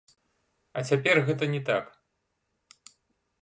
А цяпер гэта не так.